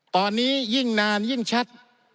ตอนนี้ยิ่งนานยิ่งชัด